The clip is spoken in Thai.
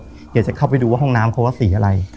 เดี๋ยวจะเข้าไปดูว่าห้องน้ำเขาว่าสีอะไร